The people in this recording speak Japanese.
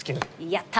やった！